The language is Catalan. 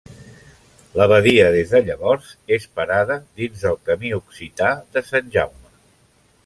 L'abadia des de llavors és parada dins del Camí occità de Sant Jaume.